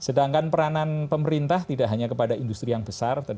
sedangkan peranan pemerintah tidak hanya kepada industri yang besar